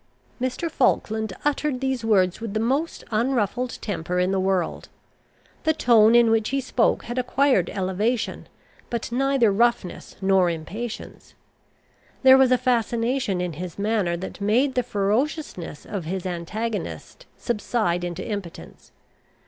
Mr. Falkland uttered these words with the most unruffled temper in the world. The tone in which he spoke had acquired elevation, but neither roughness nor impatience. There was a fascination in his manner that made the ferociousness of his antagonist subside into impotence.